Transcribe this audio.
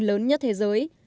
lớn nhất thế giới